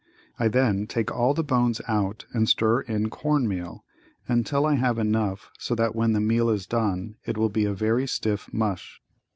I then take all the bones out and stir in corn meal until I have enough so that when the meal is done it will be a very stiff mush.